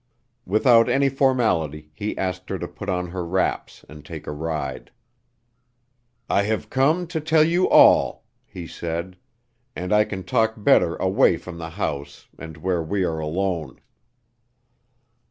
Without any formality he asked her to put on her wraps and take a ride. "I have come to tell you all," he said, "and I can talk better away from the house, and where we are alone."